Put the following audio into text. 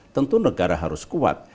tentu negara harus kuat